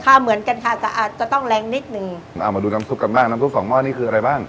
ค่ะเหมือนกันค่ะสะอาดจะต้องแรงนิดนึงเอามาดูน้ำซุปกันบ้างน้ำซุปสองหม้อนี่คืออะไรบ้าง